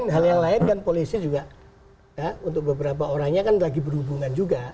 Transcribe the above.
hal yang lain kan polisi juga untuk beberapa orangnya kan lagi berhubungan juga